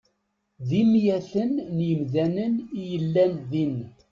D imyaten n yemdanen i yellan din.